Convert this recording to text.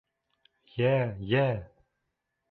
Йә-йә!